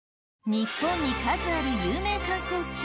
日本に数ある有名観光地